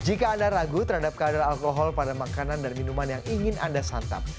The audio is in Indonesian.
jika anda ragu terhadap kadar alkohol pada makanan dan minuman yang ingin anda santap